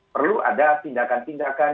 perlu ada tindakan tindakan